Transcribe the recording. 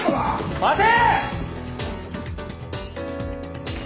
待て！